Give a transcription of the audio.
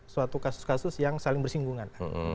suatu kasus kasus yang saling bersinggungan